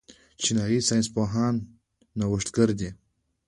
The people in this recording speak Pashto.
چینايي ساینس پوهان نوښتګر دي.